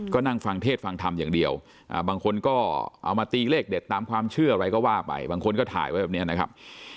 ก็นั่งฟังเทศฟังธรรมอย่างเดียวบางคนก็เอามาตีเลขเด็ดตามความเชื่ออะไรก็ว่าไปบางคนก็ถ่ายไว้แบบนี้นะครับ